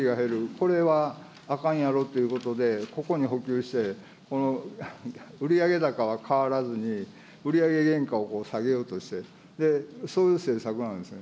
これはあかんやろうということで、ここに補給して、売上高は変わらずに、売上原価を下げようとして、そういう政策なんですね。